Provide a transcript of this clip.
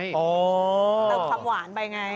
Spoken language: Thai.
อ๋อเอาความหวานไปไง